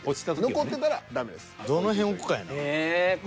残ってたらダメです。